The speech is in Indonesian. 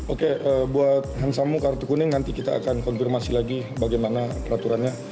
oke buat hansamu kartu kuning nanti kita akan konfirmasi lagi bagaimana peraturannya